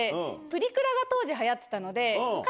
プリクラが当時流行ってたので。